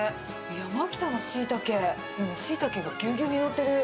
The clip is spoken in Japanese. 山北のしいたけ、しいたけがぎゅうぎゅうに載ってる。